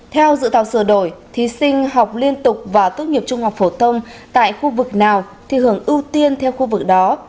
theo dự thảo sửa đổi thí sinh học liên tục và tốt nghiệp trung học phổ thông tại khu vực nào thì hưởng ưu tiên theo khu vực đó